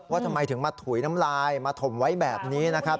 ว่าทำไมถึงมาถุยน้ำลายมาถมไว้แบบนี้นะครับ